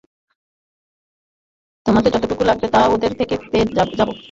আমাদের যতটুকু লাগবে তা ওদের থেকেই পেয়ে যাব।